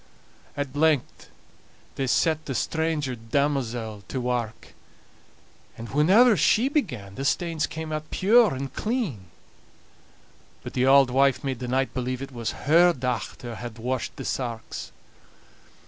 At length they set the stranger damosel to wark; and whenever she began the stains came out pure and clean, but the auld wife made the knight believe it was her dochter had washed the sarks.